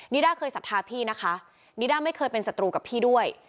ด้าเคยศรัทธาพี่นะคะนิด้าไม่เคยเป็นศัตรูกับพี่ด้วย